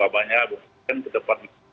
banyak mungkin ke depan